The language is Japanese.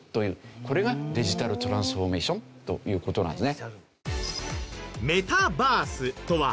これがデジタルトランスフォーメーションという事なんですね。